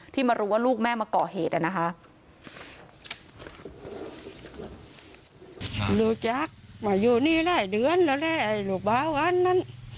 ที่มารู้ว่าลูกแม่มาเกาะเหตุอะนะคะ